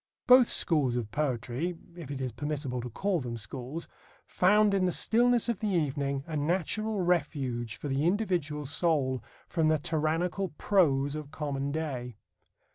Both schools of poetry (if it is permissible to call them schools) found in the stillness of the evening a natural refuge for the individual soul from the tyrannical prose of common day.